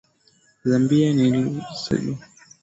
Zambia inasaidia sana lubumbashi kuleta bunga